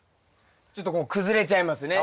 ちょっとこう崩れちゃいますね。